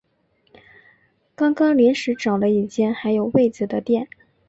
刚刚临时找了一间还有位子的店